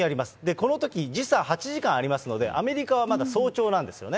このとき、時差８時間ありますので、アメリカはまだ早朝なんですよね。